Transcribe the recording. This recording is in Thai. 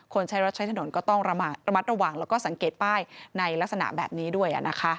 ใช้รถใช้ถนนก็ต้องระมัดระวังแล้วก็สังเกตป้ายในลักษณะแบบนี้ด้วย